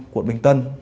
quận bình tân